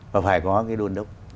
và phải có cái đôn đốc